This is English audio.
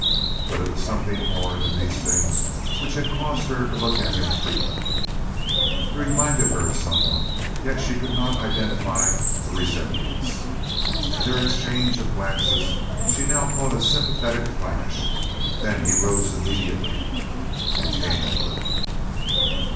But it was something more than these things which had caused her to look at him frequently. He reminded her of some one, yet she could not identify the resemblance. In their exchange of glances she now caught a sympathetic flash; then he rose immediately and came over.